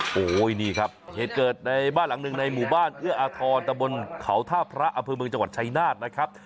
โอ้โหนี่ครับเหตุเกิดในบ้านหลังหนึ่งในหมู่บ้านเอื้ออาทรตะบนเขาท่าพระอำเภอเมืองจังหวัดชายนาฏนะครับ